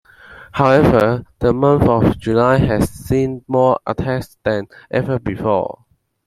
However, the month of July has seen more attacks than ever before.